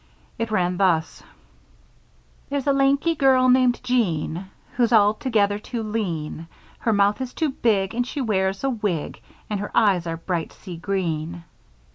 It ran thus: There's a lanky girl named Jean, Who's altogether too lean. Her mouth is too big, And she wears a wig, And her eyes are bright sea green.